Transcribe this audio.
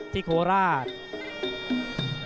ที่โคราช